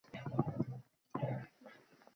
Farhodning esa o`qishdan ko`ngli sovigan